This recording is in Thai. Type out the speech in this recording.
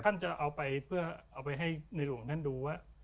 ท่านจะเอาไปให้นายหลวงท่านดูว่า